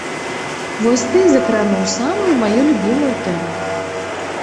Вось ты закрануў самую маю любімую тэму.